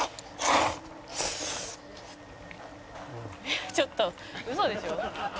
「えっちょっとウソでしょ？」